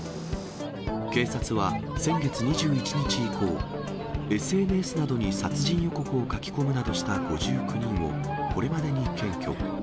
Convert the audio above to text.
警察は先月２１日以降、ＳＮＳなどに殺人予告を書き込むなどした５９人をこれまでに検挙。